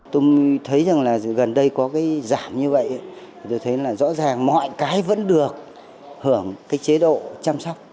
tôi thấy rằng là gần đây có cái giảm như vậy thì tôi thấy là rõ ràng mọi cái vẫn được hưởng cái chế độ chăm sóc